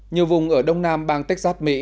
nhiều vùng ở đông nam bang texas mỹ